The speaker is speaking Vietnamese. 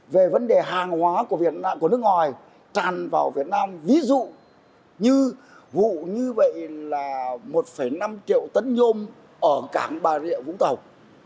về vấn đề hàng hóa của nước ngoài tràn vào việt nam ví dụ như vụ như vậy là một năm triệu tấn nhôm ở cảng bà rịa vũng tàu